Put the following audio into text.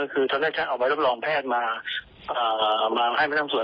คือต้องให้เขาออกมารับรองแพทย์มาให้ในตางส่วน